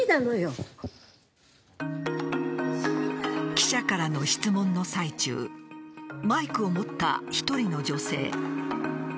記者からの質問の最中マイクを持った１人の女性。